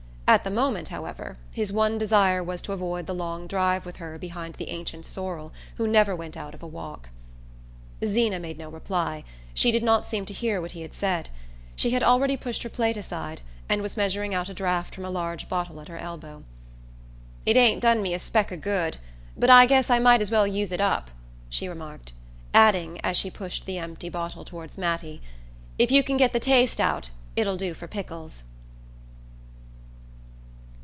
At the moment, however, his one desire was to avoid the long drive with her behind the ancient sorrel who never went out of a walk. Zeena made no reply: she did not seem to hear what he had said. She had already pushed her plate aside, and was measuring out a draught from a large bottle at her elbow. "It ain't done me a speck of good, but I guess I might as well use it up," she remarked; adding, as she pushed the empty bottle toward Mattie: "If you can get the taste out it'll do for pickles."